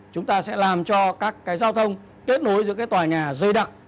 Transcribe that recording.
chúng ta sẽ làm cho các cái giao thông kết nối giữa cái tòa nhà dây đặc